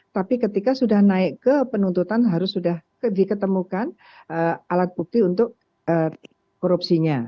tapi ketika sudah naik ke penuntutan harus sudah diketemukan alat bukti untuk korupsinya